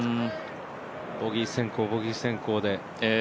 ボギー先行、ボギー先行で。